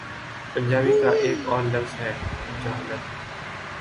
پنجابی کا ایک اور لفظ ہے، ' جھلت‘۔